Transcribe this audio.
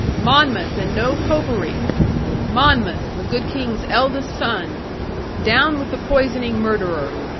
Monmouth and no Popery! Monmouth, the good King's eldest son! Down with the poisoning murderer!